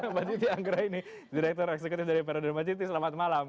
mbak titi anggra ini direktur eksekutif dari peradun baciti selamat malam